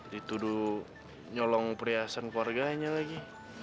dituduh nyolong pria sen keluarganya lagi